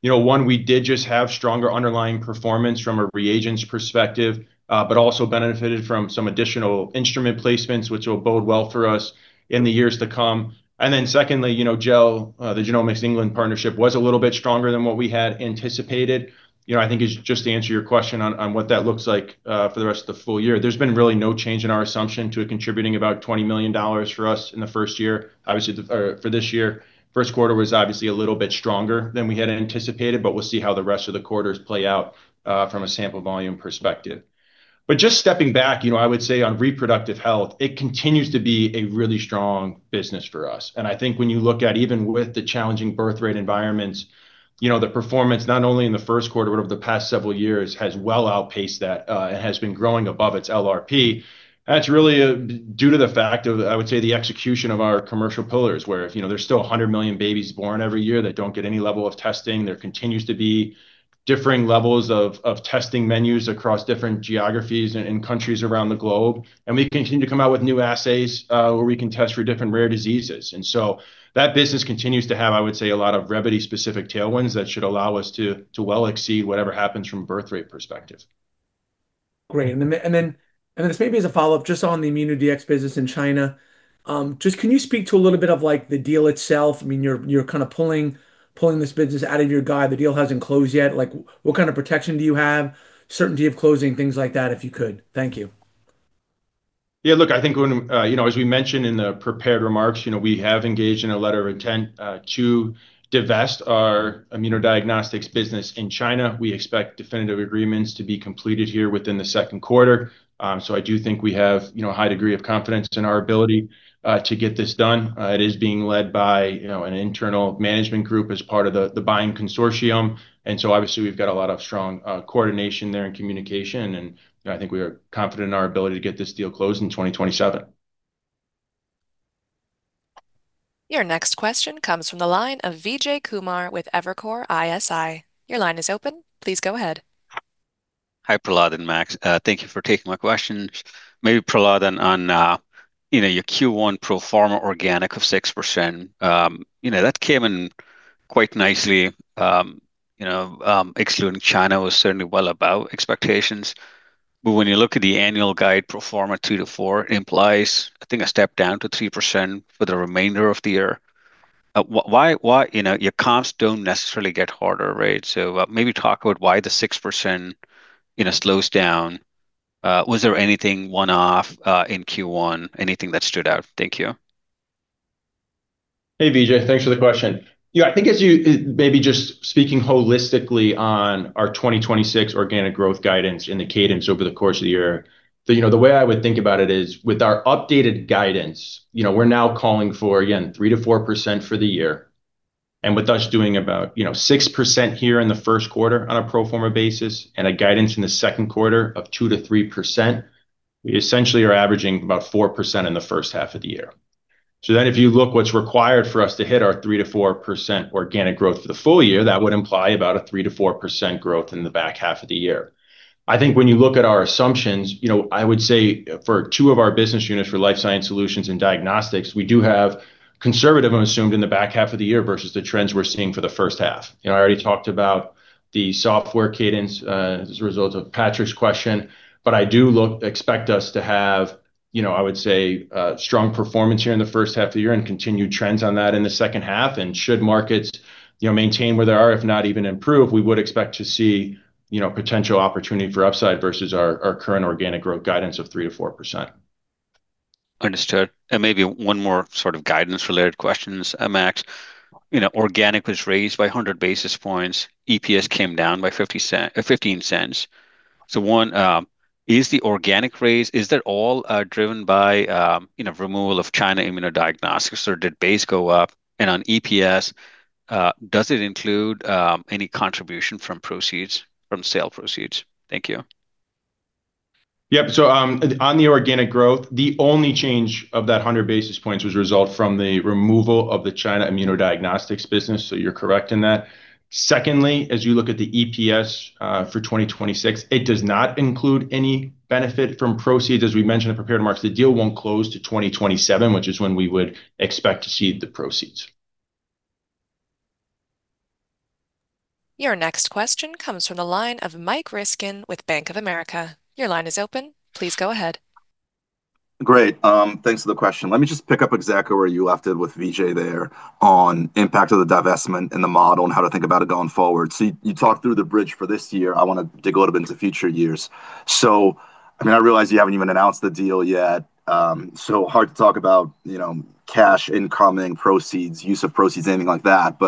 You know, one, we did just have stronger underlying performance from a reagents perspective, but also benefited from some additional instrument placements, which will bode well for us in the years to come. Secondly, you know, GEL, the Genomics England partnership, was a little bit stronger than what we had anticipated. You know, I think it's, just to answer your question on what that looks like, for the rest of the full year, there's been really no change in our assumption to it contributing about $20 million for us in the first year. Obviously for this year. First quarter was obviously a little bit stronger than we had anticipated. We'll see how the rest of the quarters play out from a sample volume perspective. Just stepping back, you know, I would say on reproductive health, it continues to be a really strong business for us. I think when you look at even with the challenging birth rate environments, you know, the performance not only in the first quarter, but over the past several years, has well outpaced that and has been growing above its LRP. That's really due to the fact of, I would say, the execution of our commercial pillars, where if, you know, there's still 100 million babies born every year that don't get any level of testing, there continues to be differing levels of testing menus across different geographies and countries around the globe. We continue to come out with new assays, where we can test for different rare diseases. That business continues to have, I would say, a lot of Revvity specific tailwinds that should allow us to well exceed whatever happens from a birth rate perspective. Great. And then just maybe as a follow-up, just on the ImmunoDX business in China, just can you speak to a little bit of, like, the deal itself? I mean, you're kinda pulling this business out of your guide. The deal hasn't closed yet. Like, what kind of protection do you have, certainty of closing, things like that, if you could? Thank you. Yeah, look, I think when, you know, as we mentioned in the prepared remarks, you know, we have engaged in a letter of intent to divest our immunodiagnostics business in China. We expect definitive agreements to be completed here within the second quarter. I do think we have, you know, a high degree of confidence in our ability to get this done. It is being led by, you know, an internal management group as part of the buying consortium. Obviously we've got a lot of strong coordination there and communication and, you know, I think we are confident in our ability to get this deal closed in 2027. Your next question comes from the line of Vijay Kumar with Evercore ISI. Your line is open. Please go ahead. Hi, Prahlad and Max. Thank you for taking my questions. Maybe, Prahlad, on, you know, your Q1 pro forma organic of 6%, you know, that came in quite nicely. You know, excluding China was certainly well above expectations. When you look at the annual guide pro forma 2%-4%, it implies, I think, a step down to 3% for the remainder of the year. Why, you know, your comps don't necessarily get harder, right? Maybe talk about why the 6%, you know, slows down. Was there anything one-off in Q1, anything that stood out? Thank you. Hey, Vijay. Thanks for the question. You know, I think as you, maybe just speaking holistically on our 2026 organic growth guidance and the cadence over the course of the year, the, you know, the way I would think about it is, with our updated guidance, you know, we're now calling for, again, 3%-4% for the year. With us doing about, you know, 6% here in the first quarter on a pro forma basis and a guidance in the second quarter of 2%-3%, we essentially are averaging about 4% in the first half of the year. If you look what's required for us to hit our 3%-4% organic growth for the full year, that would imply about a 3%-4% growth in the back half of the year. I think when you look at our assumptions, you know, I would say for two of our business units, for Life Science Solutions and Diagnostics, we do have conservative assumed in the back half of the year versus the trends we're seeing for the first half. You know, I already talked about the software cadence as a result of Patrick’s question. I do expect us to have, you know, I would say, strong performance here in the first half of the year and continued trends on that in the second half. Should markets, you know, maintain where they are, if not even improve, we would expect to see, you know, potential opportunity for upside versus our current organic growth guidance of 3%-4%. Understood. Maybe one more sort of guidance-related questions, Max. You know, organic was raised by 100 basis points. EPS came down by $0.15. One, is the organic raise, is that all, you know, driven by removal of China immunodiagnostics, or did base go up? On EPS, does it include any contribution from proceeds, from sale proceeds? Thank you. Yep. On the organic growth, the only change of that 100 basis points was a result from the removal of the China immunodiagnostics business. You're correct in that. Secondly, as you look at the EPS for 2026, it does not include any benefit from proceeds. As we mentioned in prepared remarks, the deal won't close till 2027, which is when we would expect to see the proceeds. Your next question comes from the line of Mike Ryskin with Bank of America. Your line is open. Please go ahead. Great. Thanks for the question. Let me just pick up exactly where you left it with Vijay there on impact of the divestment in the model and how to think about it going forward. You talked through the bridge for this year. I wanna dig a little bit into future years. I mean, I realize you haven't even announced the deal yet, hard to talk about, you know, cash incoming, proceeds, use of proceeds, anything like that.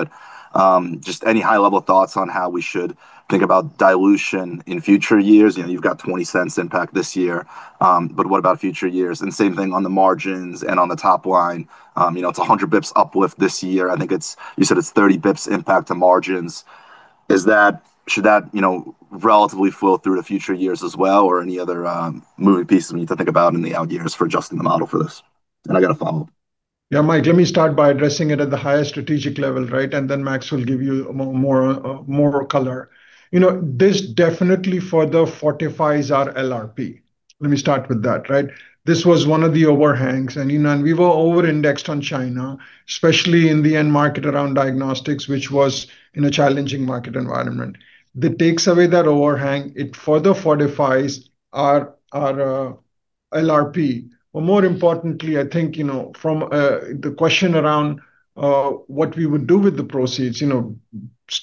Just any high-level thoughts on how we should think about dilution in future years? You know, you've got $0.20 impact this year, what about future years? Same thing on the margins and on the top line. You know, it's 100 basis points uplift this year. I think it's, you said it's 30 basis points impact to margins? Should that, you know, relatively flow through to future years as well, or any other, moving pieces we need to think about in the out years for adjusting the model for this? I got a follow-up. Yeah, Mike, let me start by addressing it at the highest strategic level, right? Then Max will give you more color. You know, this definitely further fortifies our LRP. Let me start with that, right? This was one of the overhangs, and you know, we were over-indexed on China, especially in the end market around diagnostics, which was in a challenging market environment. That takes away that overhang. It further fortifies our LRP. More importantly, I think, you know, from the question around what we would do with the proceeds, you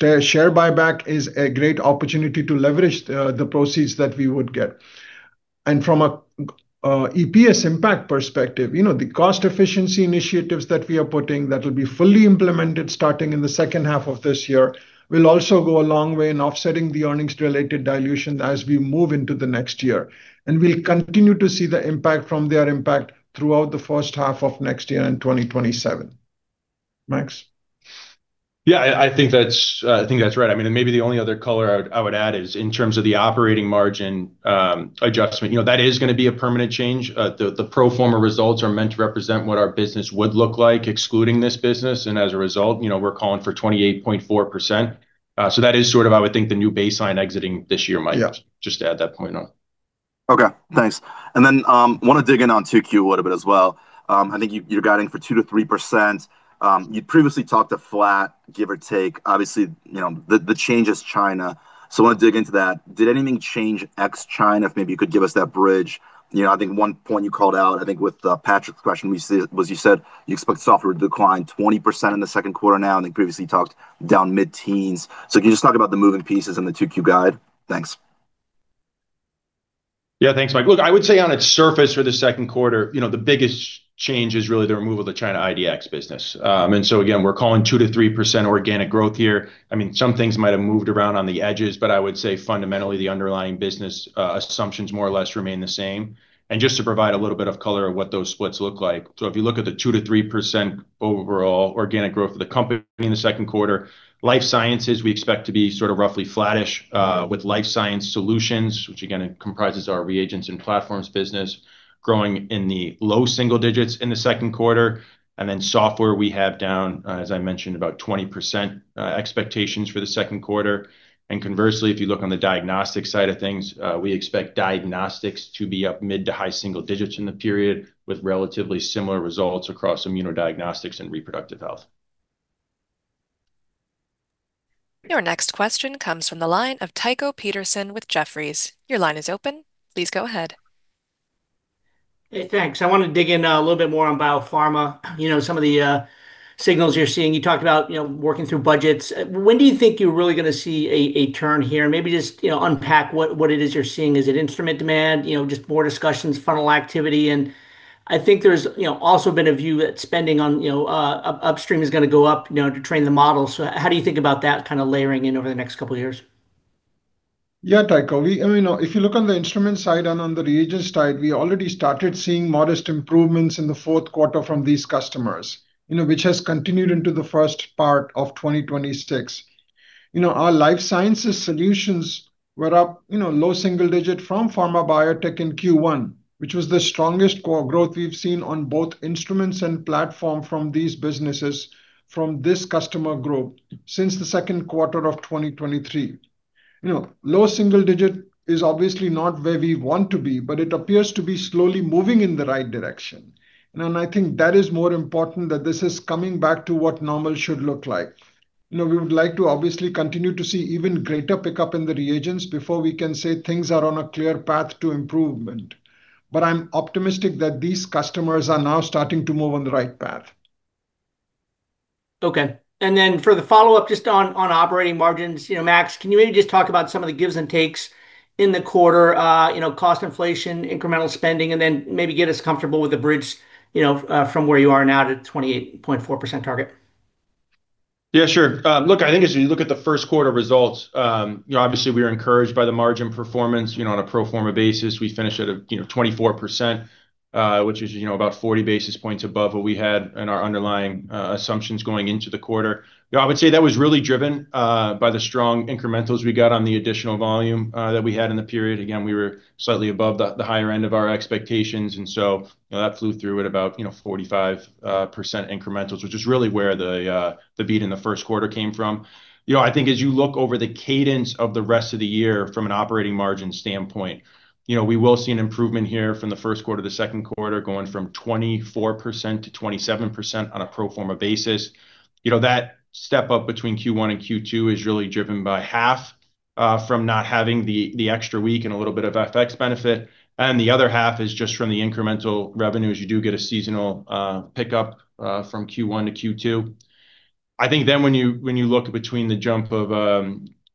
know, share buyback is a great opportunity to leverage the proceeds that we would get. From an EPS impact perspective, you know, the cost efficiency initiatives that we are putting that will be fully implemented starting in the second half of this year, will also go a long way in offsetting the earnings-related dilution as we move into the next year. We'll continue to see the impact from their impact throughout the first half of next year in 2027. Max? Yeah, I think that's right. I mean, maybe the only other color I would add is in terms of the operating margin adjustment, you know, that is gonna be a permanent change. The pro forma results are meant to represent what our business would look like excluding this business, and as a result, you know, we're calling for 28.4%. That is sort of, I would think, the new baseline exiting this year, Mike- Yeah. ...just to add that point on. Okay, thanks. Then, wanna dig in on 2Q a little bit as well. I think you're guiding for 2%-3%. You'd previously talked to flat, give or take. Obviously, you know, the change is China, so I wanna dig into that. Did anything change ex-China? If maybe you could give us that bridge. You know, I think one point you called out, I think with Patrick's question was you said you expect software to decline 20% in the 2Q now, and then previously talked down mid-teens. Can you just talk about the moving pieces in the 2Q guide? Thanks. Yeah. Thanks, Mike. Look, I would say on its surface for the second quarter, you know, the biggest change is really the removal of the China IDX business. Again, we're calling 2%-3% organic growth here. I mean, some things might have moved around on the edges, but I would say fundamentally, the underlying business assumptions more or less remain the same. Just to provide a little bit of color of what those splits look like. If you look at the 2%-3% overall organic growth of the company in the second quarter, life sciences we expect to be sort of roughly flattish, with life science solutions, which again comprises our reagents and platforms business, growing in the low single digits in the second quarter. Software we have down, as I mentioned, about 20%, expectations for the second quarter. Conversely, if you look on the diagnostic side of things, we expect diagnostics to be up mid to high single digits in the period, with relatively similar results across immunodiagnostics and reproductive health. Your next question comes from the line of Tycho Peterson with Jefferies. Your line is open. Please go ahead. Hey, thanks. I wanna dig in a little bit more on biopharma. You know, some of the Signals you're seeing. You talked about, you know, working through budgets. When do you think you're really gonna see a turn here? Maybe just, you know, unpack what it is you're seeing. Is it instrument demand? You know, just more discussions, funnel activity. I think there's, you know, also been a view that spending on, you know, upstream is gonna go up, you know, to train the model. How do you think about that kinda layering in over the next couple years? Yeah, Tycho. We, you know, if you look on the instrument side and on the reagents side, we already started seeing modest improvements in the fourth quarter from these customers, you know, which has continued into the first part of 2026. You know, our Life Science Solutions were up, you know, low single-digit from pharma biotech in Q1, which was the strongest core growth we've seen on both instruments and platform from these businesses from this customer group since the second quarter of 2023. You know, low single-digit is obviously not where we want to be, but it appears to be slowly moving in the right direction. I think that is more important that this is coming back to what normal should look like. You know, we would like to obviously continue to see even greater pickup in the reagents before we can say things are on a clear path to improvement. I'm optimistic that these customers are now starting to move on the right path. Okay. For the follow-up, just on operating margins, you know, Max, can you maybe just talk about some of the gives and takes in the quarter, you know, cost inflation, incremental spending, and then maybe get us comfortable with the bridge, you know, from where you are now to 28.4% target? Yeah, sure. Look, I think as you look at the first quarter results, you know, obviously we are encouraged by the margin performance, you know, on a pro forma basis. We finished at a, you know, 24%, which is, you know, about 40 basis points above what we had in our underlying assumptions going into the quarter. You know, I would say that was really driven by the strong incrementals we got on the additional volume that we had in the period. Again, we were slightly above the higher end of our expectations, you know, that flew through at about, you know, 45% incrementals, which is really where the beat in the first quarter came from. You know, I think as you look over the cadence of the rest of the year from an operating margin standpoint, you know, we will see an improvement here from the first quarter to the second quarter, going from 24%-27% on a pro forma basis. You know, that step up between Q1 and Q2 is really driven by half from not having the extra week and a little bit of FX benefit, and the other half is just from the incremental revenues. You do get a seasonal pickup from Q1-Q2. When you look between the jump of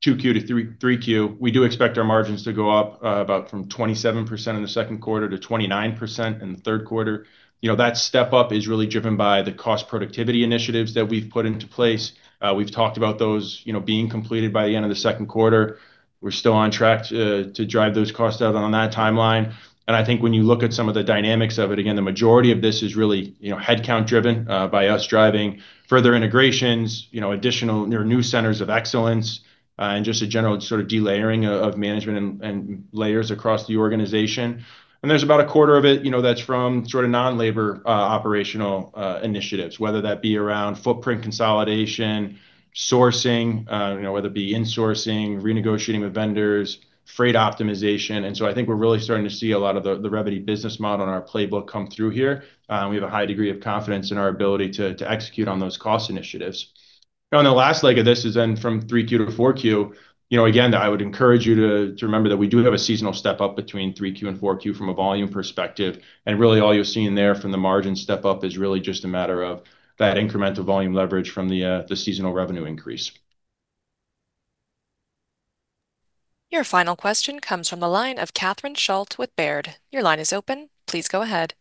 2Q-3Q, we do expect our margins to go up about from 27% in the second quarter to 29% in the third quarter. You know, that step up is really driven by the cost productivity initiatives that we've put into place. We've talked about those, you know, being completed by the end of the second quarter. We're still on track to drive those costs out on that timeline. I think when you look at some of the dynamics of it, again, the majority of this is really, you know, headcount driven by us driving further integrations, you know, additional you know, new centers of excellence, and just a general sort of delayering of management and layers across the organization. There's about a quarter of it, you know, that's from sort of non-labor, operational initiatives, whether that be around footprint consolidation, sourcing, you know, whether it be insourcing, renegotiating with vendors, freight optimization. I think we're really starting to see a lot of the Revvity business model in our playbook come through here. We have a high degree of confidence in our ability to execute on those cost initiatives. Now, the last leg of this is then from 3Q-4Q. You know, again, I would encourage you to remember that we do have a seasonal step up between 3Q and 4Q from a volume perspective. Really all you're seeing there from the margin step up is really just a matter of that incremental volume leverage from the seasonal revenue increase. Your final question comes from the line of Catherine Schulte with Baird. Your line is open. Please go ahead.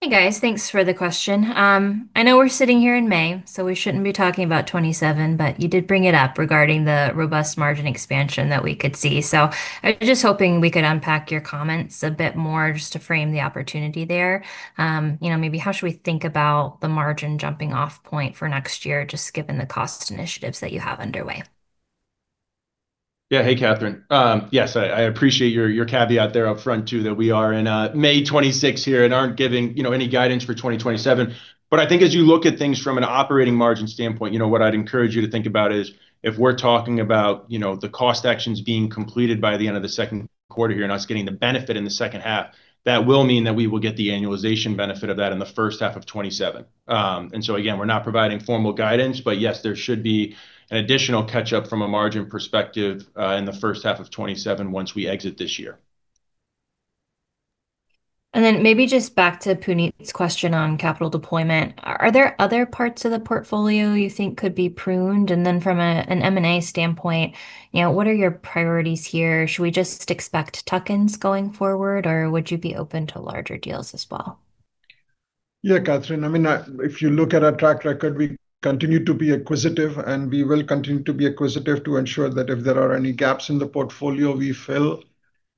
Hey, guys. Thanks for the question. I know we're sitting here in May, so we shouldn't be talking about 2027, but you did bring it up regarding the robust margin expansion that we could see. I was just hoping we could unpack your comments a bit more just to frame the opportunity there. You know, maybe how should we think about the margin jumping off point for next year, just given the cost initiatives that you have underway? Yeah. Hey, Catherine. Yes, I appreciate your caveat there upfront too, that we are in May 26 here and aren't giving, you know, any guidance for 2027. I think as you look at things from an operating margin standpoint, you know, what I'd encourage you to think about is if we're talking about, you know, the cost actions being completed by the end of the second quarter here and us getting the benefit in the second half, that will mean that we will get the annualization benefit of that in the first half of 2027. Again, we're not providing formal guidance, Yes, there should be an additional catch-up from a margin perspective in the first half of 2027 once we exit this year. Maybe just back to Puneet's question on capital deployment. Are there other parts of the portfolio you think could be pruned? From an M&A standpoint, you know, what are your priorities here? Should we just expect tuck-ins going forward, or would you be open to larger deals as well? Yeah, Catherine. I mean, if you look at our track record, we continue to be acquisitive, and we will continue to be acquisitive to ensure that if there are any gaps in the portfolio, we fill.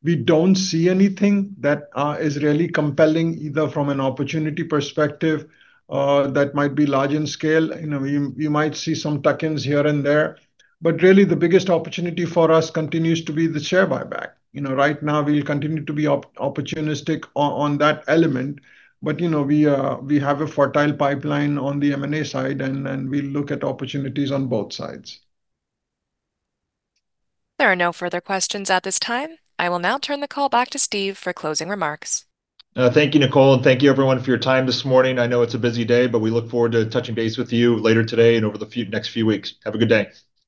We don't see anything that is really compelling, either from an opportunity perspective, that might be large in scale. You know, you might see some tuck-ins here and there, but really the biggest opportunity for us continues to be the share buyback. You know, right now we'll continue to be opportunistic on that element. You know, we have a fertile pipeline on the M&A side and we look at opportunities on both sides. There are no further questions at this time. I will now turn the call back to Steve for closing remarks. Thank you, Nicole. Thank you everyone for your time this morning. I know it's a busy day, but we look forward to touching base with you later today and over the next few weeks. Have a good day.